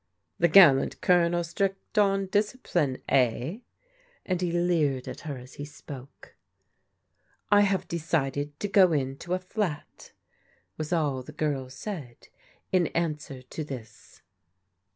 The gallant Colonel strict on discipline, eh ?" and he leered at her as he spoke. " I have decided to go into a flat," was all the girl said in answer to this.